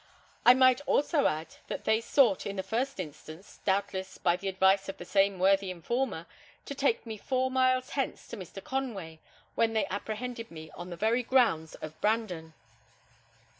I might also add, that they sought, in the first instance, doubtless by the advice of the same worthy informer, to take me four miles hence, to Mr. Conway, when they apprehended me on the very grounds of Brandon."